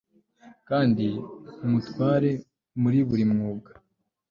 kandi umutware muri buri mwuga